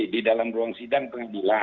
di dalam ruang sidang pengadilan